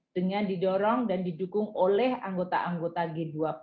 dengan didorong dan didukung oleh anggota anggota g dua puluh